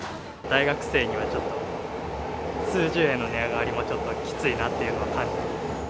大学生にはちょっと、数十円の値上がりもちょっときついなっていうのは感じます。